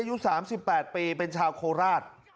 อายุ๓๘ปีเป็นชาวโคราช